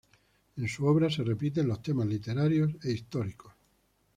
En su obra se repiten los temas literarios e históricos.